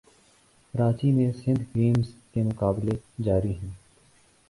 کراچی میں سندھ گیمز کے مقابلے جاری ہیں